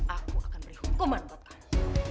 aku akan beri hukuman buat aku